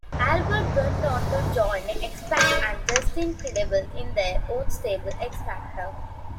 Albert went on to join X-Pac and Justin Credible in their own stable, X-Factor.